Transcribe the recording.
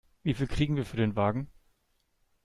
Wie viel kriegen wir für den Wagen?